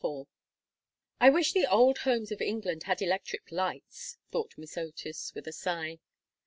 IV "I wish the old homes of England had electric lights," thought Miss Otis, with a sigh.